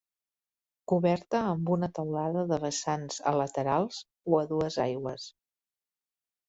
Coberta amb una teulada de vessants a laterals o a dues aigües.